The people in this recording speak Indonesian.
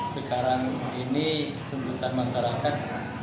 sekarang ini tuntutan masyarakat